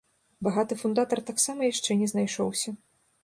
Багаты фундатар таксама яшчэ не знайшоўся.